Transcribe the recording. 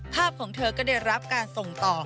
ของเธอก็ได้รับการส่งต่อ